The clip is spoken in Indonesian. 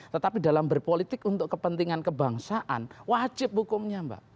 tetapi dalam berpolitik untuk kepentingan kebangsaan wajib hukumnya mbak